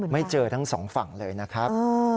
ไม่เจอทั้งสองฝั่งเลยนะครับ